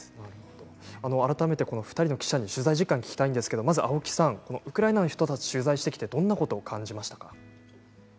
改めて、２人の記者に取材実感を聞きたいんですけれども青木さん、ウクライナの人たちを取材してどんなことを感じましたか？